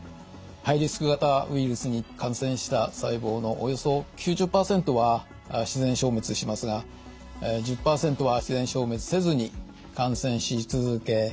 ハイリスク型ウイルスに感染した細胞のおよそ９０％は自然消滅しますが１０％は自然消滅せずに感染し続け